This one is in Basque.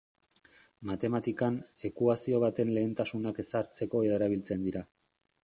Matematikan, ekuazio baten lehentasunak ezartzeko erabiltzen dira.